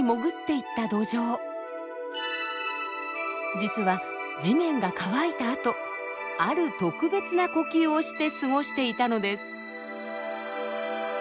実は地面が乾いたあとある特別な呼吸をして過ごしていたのです。